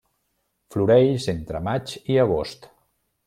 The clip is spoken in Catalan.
Floreix entre maig i agost.